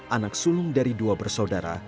anak sulung dari dua bersaudara